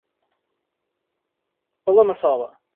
Palma Sola